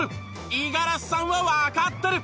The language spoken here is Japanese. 五十嵐さんはわかってる！